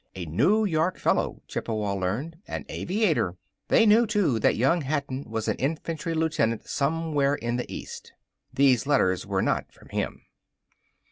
A New York fellow, Chippewa learned; an aviator. They knew, too, that young Hatton was an infantry lieutenant somewhere in the East. These letters were not from him.